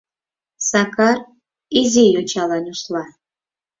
Сакар изи йочала нюсла.